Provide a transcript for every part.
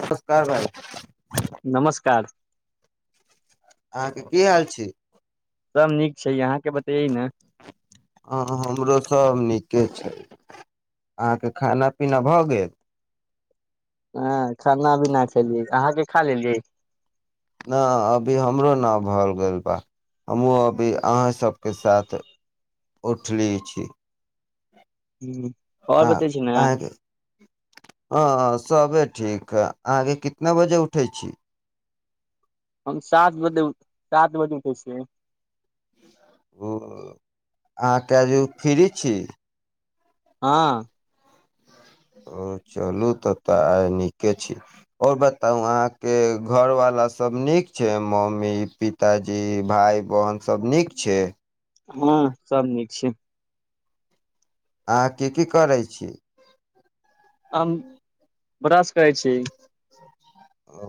नमस्कार भाई नमस्कार अहाँके की हाल छी सब नीक छै अहाँके बतैयै ने हँ हमरो सब नीके छै अहाँके खाना पीना भऽ गेल हँ खाना अभी ना खेलियै अहाँके खा लेलियै न अभी हमरो न भऽ गेल बा हमहूँ अभी अहाँ सभके साथ उठली छी ह आओर आ बतै छी ने अहें के हं सबे ठीक हइ अहाँके कितना बजे उठै छी हम सात बजे सात बजे उठय छीयै ओ अहाँके जे फ्री छी हां ओ चलू तऽ तऽ आइ नीके छी आ ओर बताउ अहाँके घरवाला सभ नीक छै मम्मी पिताजी भाय बहिनसभ नीक छै हँ सब नीक छै अहाँ की की करै छी अम ब्रश करै छी ओ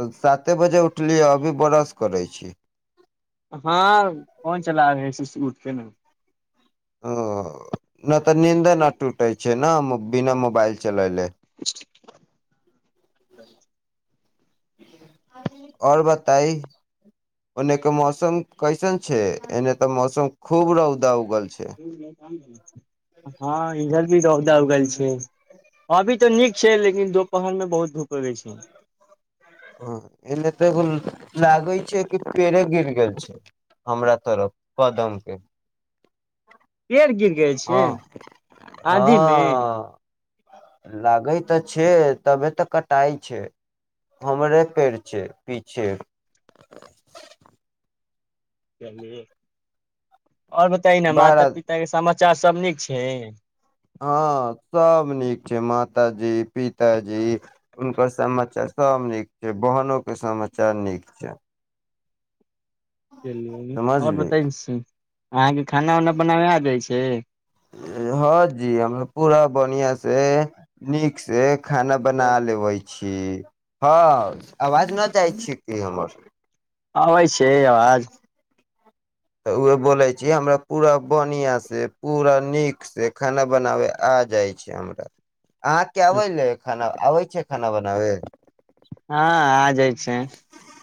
तऽ साते बजे उठलियै अभी ब्रश करै छी हँ फोन चला रहय से उठ के न ओ न तऽ नींदे न आ टूटे छै न बिना मोबाइल चलैले [inaudible] आओर बताय ओने के मौसम कैसन छै एने तऽ मौसम खूब रौदा उगल छै हँ इधर भी रौदा उगल छै अभी तऽ नीक छै लेकिन दोपहरमे बहुत धूप रहय छै हं एने तऽ एगो लागै छै कि पेड़े गिर गेल छै हमरा तरफ कदम के पेड़ गिर गेल छै हँ आंधी मे हँ लागै तऽ छै तबे तऽ कटाइ छै हमरे पेड़ छै पीछे चलिय और बताय न माता बड़ा पिता के सम च्चा सब नीक छै हँ सब नीक छै माताजी पिताजी हुनकर समाचार सब नीक जे बहनो के समा चार नीक छै चलिय आओर समझली बताय अहाँकें हँ जी हमरा पूरा बनियां से से नीक से खाना बना हेलो लेबय छी हँ आवाज न जाहइ छिय कि हमर अबै छै के आवाज तऽ उह बोलै छी हमरा पूरा बढ़िआँसँ पूरा नीकसँ खाना बनाबै आ जाइ छै हमरा आहा के हँ अबै ले खाना आबैछै खाना बनाबै हँ आ जाइ छै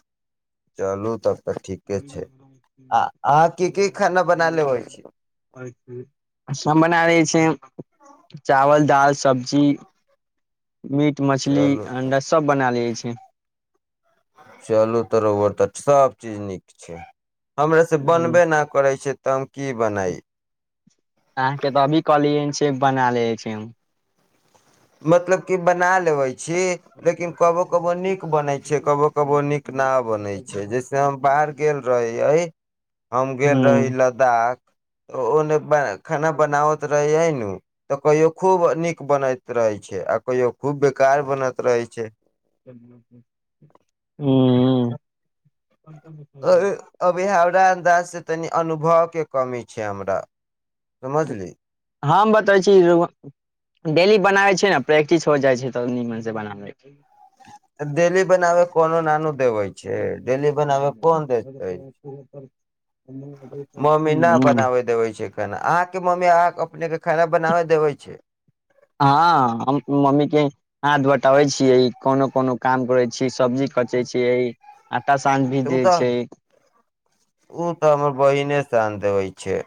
[inaudible] छै आ अहाँ की की खाना बना लेबै छी सब बना दै छै चावल दालि सब्जी मीट मछली चलू अंडा सभ बना लेैत छै चलू तोरोबर तऽ सभ चीज नीक छै हमर से बनबे अहाँके नहि करै छै त की बनय अहाँके तऽ अभी कहलियै से बना ले छी मतलब की बना लेबै छै लेकिन कबो कबो नीक बनै छै कबो कबो नीक न बनै छै जैसे हम बाहर गेल रही हम गेल रही लद्दाख ओने बरा खाना बनाबत रहै ने [unintelligible] तऽ कहियौ खूब नीक बने रहै छै आ कहियो खूब बेकार बनत रहै छै ह [unintelligible] अ अभहार र [unintelligible] से तनी अनुभव के कमी छै हमरा समझली हम बतबै छी राउआ डेली बनाबै छीियै ने प्रै्टि हो जाइ छै तऽ नि मनसँ बनाबैके डेली बनाबे कोनो नानू देवे छै डेली बनाबे कोन देते मम्मी न बनाबे देवे छै केना आ मम्मी आ अपनेके हँ हम मम्मी के हाथ बटाबै छियै कोनो कोनो काम करै छीयै सब्जी कचे छीियै आ आटा शान भी तऽ ओ दै तऽ छै ओ तऽ हमर बहिने शान दे होइ छै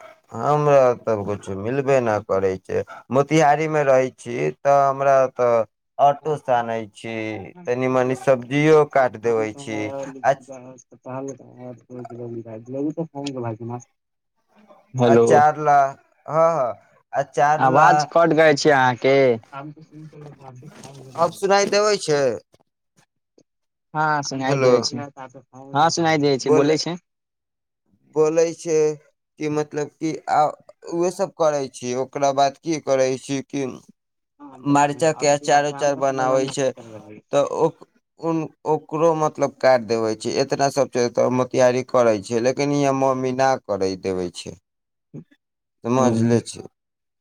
हमरा तछ किछु मिलबे नहि करै छै मोतिहारीमे रहै छी तऽ हमरा ओतऽ [inaudible] बी मनी तऽ सब्जियो काट देबै कम छी अच ल ने आ चार ला हँ हँ अचार ला आवाज कट गय छी अहाँके त क त अब सलड सुनाइ देबै छै हँ सुनाइ हेलो देब छै हँ सुनाइ देै छे बोल बोलै छै बोलै छै कि मतलब कि आ ओह सब करै छी ओकरा बाद की करै छी कि मर्चा के अचार उचार बनाबै छै तऽ ओ ओकरो मतलब काट देवै छैई एतना सब एतऽ में तैयारी करै छै लेकिन इंहा मम्मी ना करै देबै छैई ह समझले छैई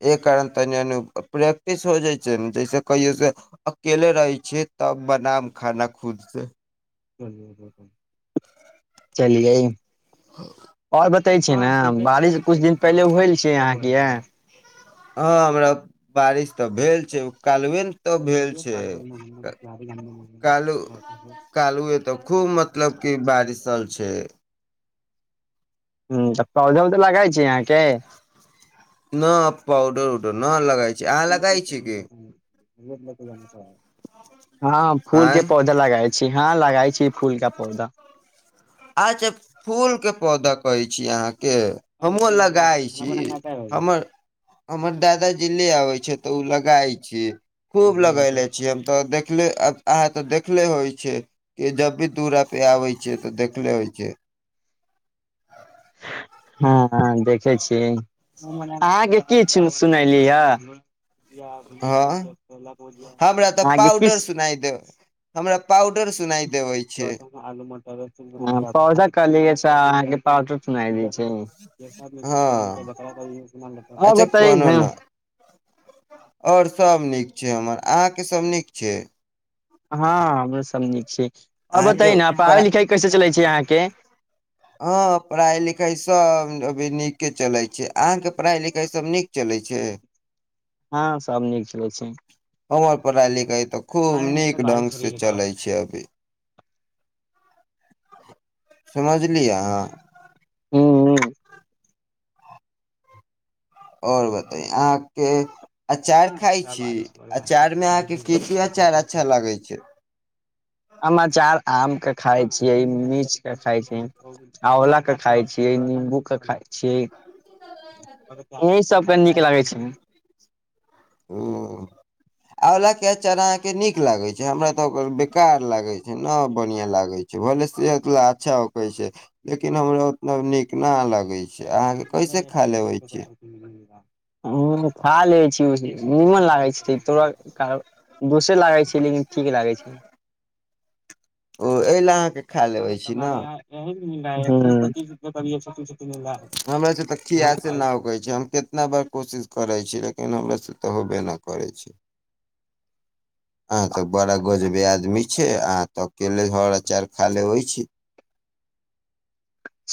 एहि कारण तनि मनि प्रैक्टिस हो जाइ छै ने जैसे कहियोसँ अकेले रहै छियै तब बनाब खाना खुदसँ चलिअई आओर बत बतै छै ने बारिश किछु दिन पहिले होयल छै अहाँके यंहा हँ हमरा बारिश तऽ भेल छै कालुए ने त भेल छै कालु कालुए तो खूब मतलब की बारिशल छै छै ह तऽ पौधे उधे लगइ छै अहाँके न पाउधो न लगा छै अहाँ लगइ छी की के ज छल हँ फूल के आँय पौधा लगाए छ हँ लगाइ छी फूल का पौधा अच्छा फूल के पौधा कहै छी अहाँके के हमहुँ लगाइ छी हमर हमर दादाजी ले आबै छथि तऽ ओ लगाइ छि खूब लगले छियै हम तऽ देख देखे अहा ते देखले होइ छै कि जब भी दूरा पे आबे छै त देख कल ओै छै हां हँ देखै छिअई आहां के किछु सुनैली हऽ हँ हमरा तऽ अहाँके की पाउडर सुनाइ दे हमरा पाउडर सुनाइ देबै छै हं तु सुनाई दै हँ छई और अच्छा बताइ कोनो हिल न आओर सभ नीक छै हमर अहाँके सभ नीक छै हँ हमरो सब नीक छियै और अहाँके बताई न पढ़ा पढ़ाई लिखाई कैसे चलै छै अहाँके हँ पढ़ाई लिखाइसभ अभी नीके चलै छै अहाँके पढ़ाइ लिखाईसभ नीक चलै छै हाँ सभ नीक चलै छै हमर पढाई लिखाई तऽ खूब नीक ढंग से चलै छै अभी समझलि आहां हू हू ओर बताइ अहाँके अचार खाइ छी अचार मे अहाँके कीके अचार अच्छा लागै छै हम अचार आम के खाय छियै मिर्च के खाय छियै आँवला के खाय छियै निंबू के खाय छियै ओहि सब बड नीक लागै छै हुँ आंवला के अचार अहाँ के नीक लागे छै हमरा तऽ ओकर बेकार लागे छै न बढ़िया लागे छै भले सेहत अच्छा होकै छै लेकिन हमरा उतना नीक न लागे छै अहाँके कैसे हमारे एक खा सौ तीस लेबै रुपए छी तके मिला हम खा लै छी नीमन लागैत छै तोरा दोसे लागैत छै लेकिन ठीक लागै छै ओ एहि लए अहाँके खा लेबै छी न [unintelligible] हमरा से तऽ खियासे न होकै छै हम केतना बार कोशिश करै छीयै ल हमरा से तऽ होबे नहि करै छै आह तऽ बड़ा गजबे आदमी छै आह तऽ अकेले हर अचार खा लेबहि छी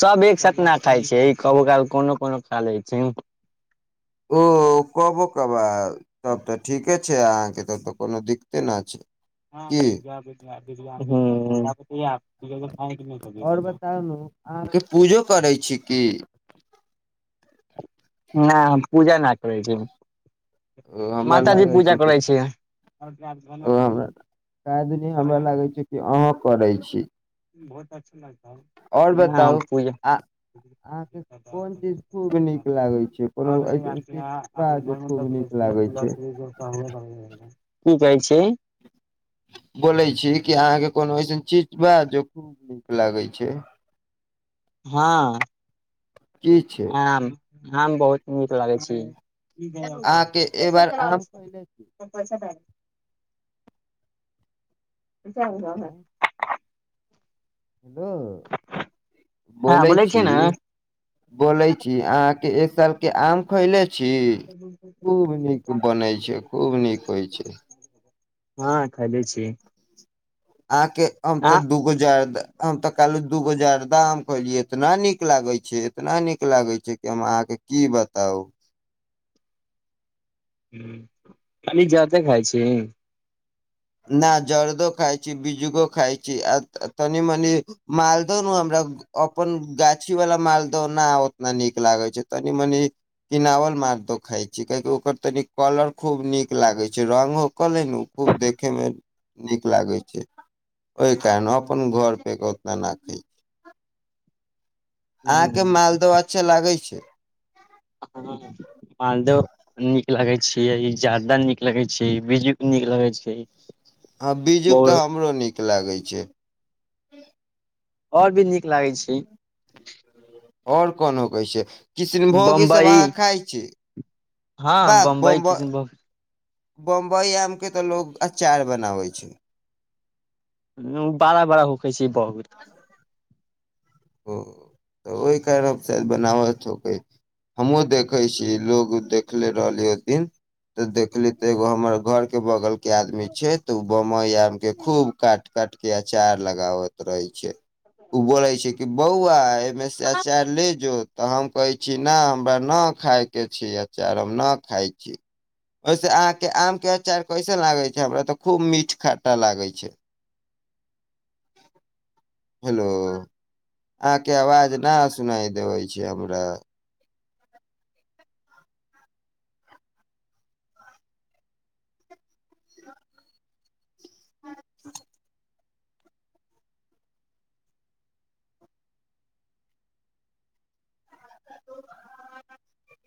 सब एक साथ न खाइ छै कबो काल कोनो कोनो खा लै छी ओ कबो कबार तब तऽ ठीके छै अहाँके तब तऽ कोनो दिक्ते न छै हुँ की हुँ [unintelligible] ओर बताउ ने अहाँके पूजो करै छी की नहि हम पूजा न करै छी ओ हमरा माताजी लागे पूजा छै कि करै छी नहि ओ हमरा के दिन हमरा लागै छै कि अहाँ करै छी बहुत अच्छा लागतै ओर बताउ आ अहाँके कोन चीज खूब नीक लागै छै कोनो अइसन चीज बा जे खूब नीक लागै छै कहइ छै बोलै छी कि अहाँके कोनो अइसन चीज बा जे खूब नीक लागै छै हाँ की छै आम आम बहुत नीक लागै छी अहाँके ए बार आम खैले छी [unintelligible] आँय [inaudible] हेलो हँ बोलै छी छियै ने बोलै छी अहाँ के एक साल के आम खइले छै बनै छै खूब नीक होइ छै हँ खइले छी आके हम आ तऽ दूगो जार हम तक कल दुगो जर्दा आम खेलियई इतना निक लाग छै इतना निक लाग छै कि हम अहाँके की बताउ खाली जारदे खाइ छी नई जरर्दो खााय छी बिजुओ खाय छी आ तनि मनि मालदह ने हमरा अपन गाछी वला मालदह न उतना नीक लागैत छै तनी मनी किनावल मालदह खााय छी काहकि ओकर तनि कलर खूब नीक लागे छै रंगग ओकरलै ने खूब निक लगाई छई राखैमे नीक लागै छै ओहि कारण अपन घर पर ओतना राखै छी अहाँके मालदह अच्छे लागैत छै मालद नीक लगे छै जारदा नीक लगे छै बिजू नीक लगै छै आ बीजु तऽ बहुत हमरो नीक ीक लागै छै आओर भी नीक लागै छै आओर कोनो कहै छै किशनभोग ई सब बम्बई अहाँ खाय छीै हँ बम्बई किसन भोग बम्बइ आमके तऽ लोग अचार बनाबै छै बड़ा बड़ा होकै छै बहु ओ तऽ ओहि कारण शाय बनावट हमहुँ देखे छी लोग देखले रहली ओ दिन तऽ देखली तऽ एगो हमर घर के बगल के आदमी छै तऽ ओ बम बम्बई आम के खूब काट कट के अचार लगाबैत रहे छै उबो र छै कि बौआ मेसे अचार ले जो तऽ हम कहै छी नहि हमरा नहि खायके छै अचार हम नहि खाइ छी ओहिसँ अहाँके आमके अचार कैसन लागै छै हमरा तऽ खूब मीठ खट्टा लागै छै हेलो अहाँके आवाज ना सुनाय देबै छै हमरा हँ [unintelligible]